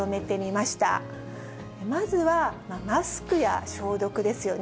まずはマスクや消毒ですよね。